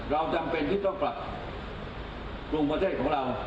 จำเป็นที่ต้องปรับปรุงประเทศของเรา